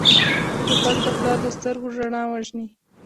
توپک د پلار د سترګو رڼا وژني.